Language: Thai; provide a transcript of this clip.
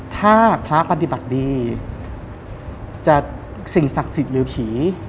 ถ้าพระปฏิบัติดีจะสิ่งศักดิ์สิทธิ์หรือผี